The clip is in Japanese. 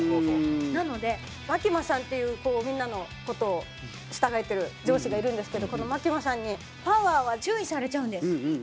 なのでマキマさんっていうみんなの事を従えてる上司がいるんですけどこのマキマさんにパワーは注意されちゃうんです。